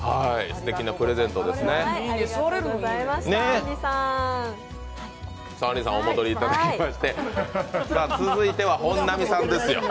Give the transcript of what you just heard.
素敵なプレゼントですね。